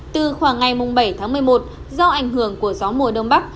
từ khoảng ngày bảy tháng một mươi một do ảnh hưởng của gió mùa đông bắc